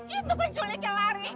itu penculik yang lari